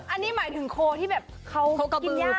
อันนี้หมายถึงโคที่แบบเขากินยาก